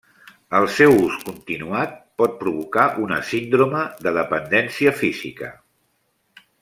El seu ús continuat pot provocar una síndrome de dependència física.